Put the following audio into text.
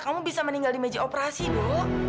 kamu bisa meninggal di meja operasi bu